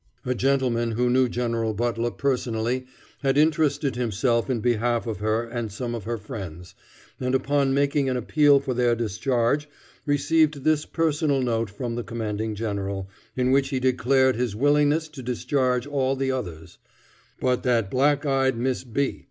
A gentleman who knew General Butler personally had interested himself in behalf of her and some of her friends, and upon making an appeal for their discharge received this personal note from the commanding general, in which he declared his willingness to discharge all the others, "But that black eyed Miss B.